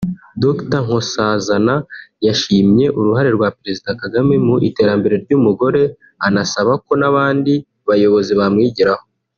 Dr Nkosazana yashimye uruhare rwa Perezida Kagame mu iterambere ry’umugore anasaba ko n’abandi bayobozi bamwigiraho